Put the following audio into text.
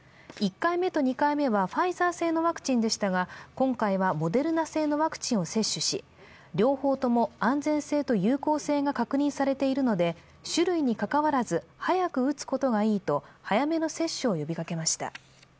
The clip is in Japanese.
１回目と２回目はファイザー製のワクチンでしたが、今回はモデルナ製のワクチンを接種し、両方とも安全性と有効性が確認されているので、種類にかかわらず、早く打つことがいいと早めの接種を呼びかけました。